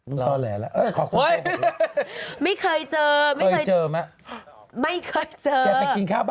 นึกตอแหลสวัสดีครับ